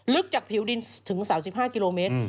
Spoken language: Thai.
ลึกจากผิวดินถึง๓๕กิโลเมตร